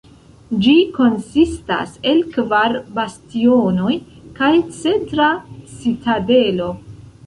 Ĝi konsistas el kvar bastionoj kaj centra citadelo.